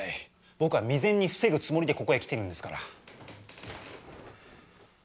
僕は未然に防ぐつもりでここへ来てるんですから。